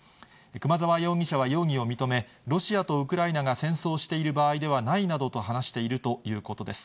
熊沢容疑者は容疑を認め、ロシアとウクライナが戦争している場合ではないなどと話しているということです。